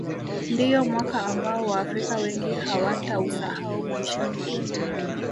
ndiyo mwaka ambao waafrika wengi hawatausahau maishani